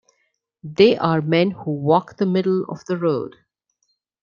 They are men who walk the middle of the road.